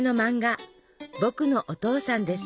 「ぼくのお父さん」です。